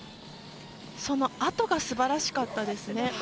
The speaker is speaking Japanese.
そのあとがすばらしかったですね。